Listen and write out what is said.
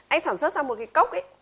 anh sản xuất ra một cái cốc ấy